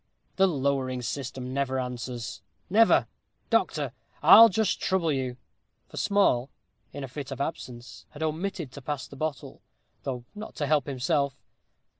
The lowering system never answers never. Doctor, I'll just trouble you" for Small, in a fit of absence, had omitted to pass the bottle, though not to help himself.